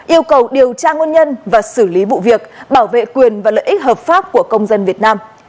yêu cầu điều tra nguồn nhân và xử lý vụ việc bảo vệ quyền và lợi ích hợp pháp của công dân việt nam